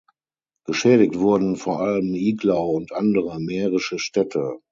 Geschädigt wurden vor allem Iglau und andere mährische Städte.